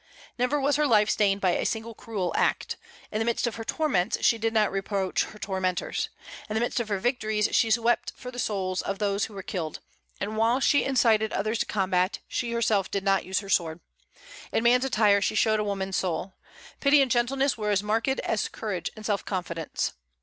Never was her life stained by a single cruel act. In the midst of her torments she did not reproach her tormentors. In the midst of her victories she wept for the souls of those who were killed; and while she incited others to combat, she herself did not use her sword. In man's attire she showed a woman's soul. Pity and gentleness were as marked as courage and self confidence.